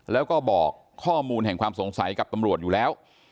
แล้วก็บอกข้อมูลแห่งความสงสัยกับตำรวจอยู่แล้ว